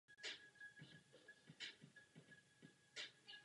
Pozorovatel na zemi je vnímá jako déšť.